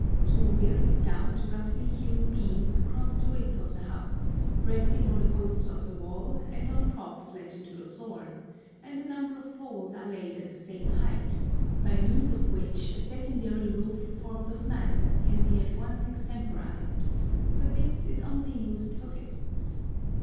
Two very stout, roughly hewn beams cross the width of the house, resting on the posts of the wall, and on props let into the floor, and a number of poles are laid at the same height, by means of which a secondary roof formed of mats can be at once extemporised, but this is only used for guests.